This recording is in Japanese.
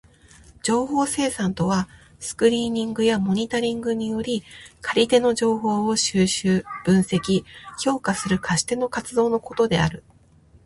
情報生産とはスクリーニングやモニタリングにより借り手の情報を収集、分析、評価する貸し手の活動のことである。